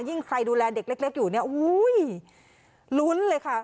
ยิ่งใครดูแลเด็กเล็กอยู่นี่โอ้โฮลุ้นเลยค่ะ